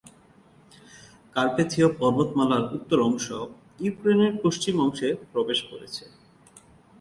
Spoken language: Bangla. কার্পেথীয় পর্বতমালার উত্তর অংশ ইউক্রেনের পশ্চিম অংশে প্রবেশ করেছে।